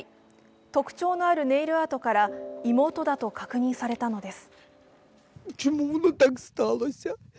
特徴のあるネイルアートから妹だと確認されたのです。